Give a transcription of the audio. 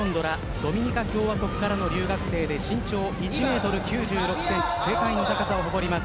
ドミニカ共和国からの留学生で身長１ｍ９６ｃｍ世界の高さを誇ります。